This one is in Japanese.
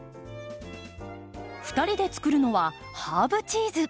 ２人で作るのはハーブチーズ。